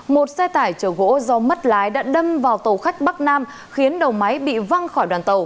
một xe tải chở gỗ do mất lái đã đâm vào tàu khách bắc nam khiến đầu máy bị văng khỏi đoàn tàu